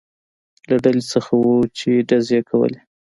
له ډلې څخه و، چې ډزې یې کولې.